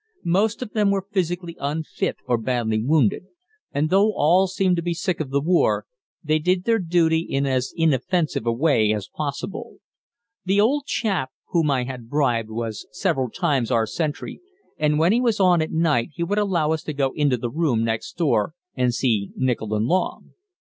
Most of them were physically unfit or badly wounded, and, though all seemed to be sick of the war, they did their duty in as inoffensive a way as possible. The old chap whom I had bribed was several times our sentry, and when he was on at night he would allow us to go into the room next door and see Nichol and Long.